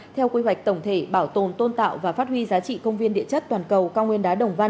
theo quy hoạch tổng thể bảo tồn tôn tạo và phát huy giá trị công viên địa chất toàn cầu cao nguyên đá đồng văn